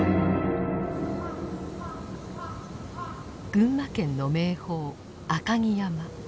群馬県の名峰赤城山。